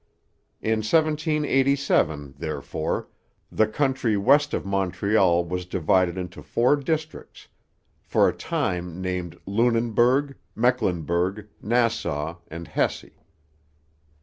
In 1787, therefore, the country west of Montreal was divided into four districts, for a time named Lunenburg, Mecklenburg, Nassau, and Hesse.